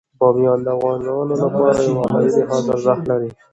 بامیان د افغانانو لپاره په معنوي لحاظ ارزښت لري.